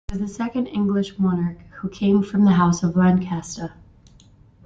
He was the second English monarch who came from the House of Lancaster.